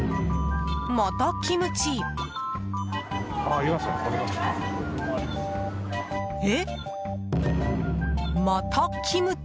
またキムチ。え？